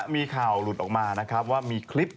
มีข่าวหลุดออกมานะครับว่ามีคลิป